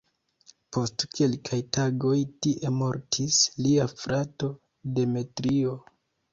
Post kelkaj tagoj tie mortis lia frato "Demetrio".